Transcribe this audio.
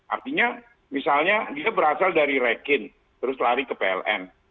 artinya misalnya dia berasal dari rekin terus lari ke pln